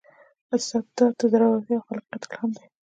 استاد د زړورتیا او خلاقیت الهام دی.